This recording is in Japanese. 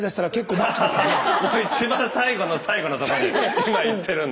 もう一番最後の最後のところに今いってるんで。